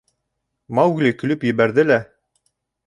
Маугли көлөп ебәрҙе лә: